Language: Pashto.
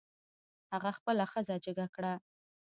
هغه خپله ښځه جګه کړه.